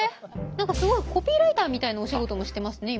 何かすごいコピーライターみたいなお仕事もしてますね今。